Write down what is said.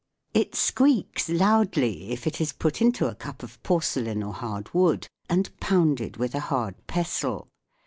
It squeaks loudly if it is put into a cup of porce lain or hard wood and pounded with a hard pestle.